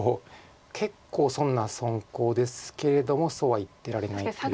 結構損な損コウですけれどもそうは言ってられないって。